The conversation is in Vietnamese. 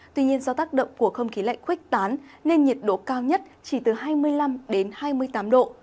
tuy nhiên do tác động của không khí lạnh khuếch tán nên nhiệt độ cao nhất chỉ từ hai mươi năm hai mươi tám độ